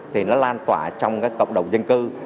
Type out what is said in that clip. thì nó lan tỏa trong cái cộng đồng dân cư